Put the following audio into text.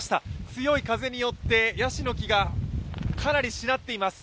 強い風によってヤシの木がかなりしなっています。